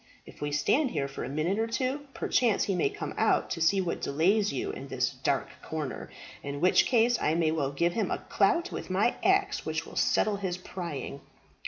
If we stand here for a minute or two, perchance he may come out to see what delays you in this dark corner, in which case I may well give him a clout with my axe which will settle his prying."